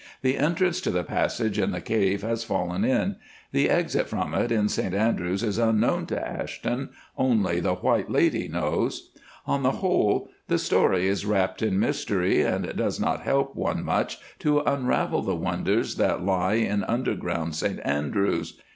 The entrance to the passage in the cave has fallen in; the exit from it in St Andrews is unknown to Ashton—only the White Lady knows. On the whole, the story is wrapped in mystery, and does not help one much to unravel the wonders that lie in underground St Andrews.